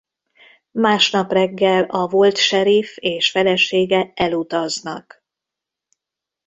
Másnap reggel a volt seriff és felesége elutaznak.